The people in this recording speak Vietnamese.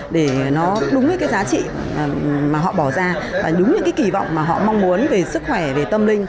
để nó đúng với cái giá trị mà họ bỏ ra và đúng như cái kỳ vọng mà họ mong muốn về sức khỏe về tâm linh